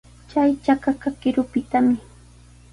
Chay chakaqa qirupitami.